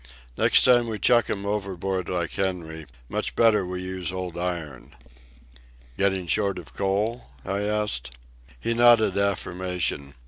"Next time we chuck'm overboard like Henry, much better we use old iron." "Getting short of coal?" I asked. He nodded affirmation.